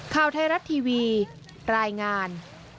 ข่าวไทยรัฐทีวีรายงาน